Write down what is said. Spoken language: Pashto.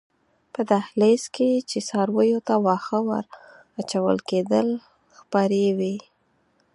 په دهلېز کې چې څارویو ته واښه ور اچول کېدل خپرې وې.